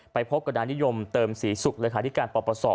ไปพบกับนายนิยมเติมศรีศุกร์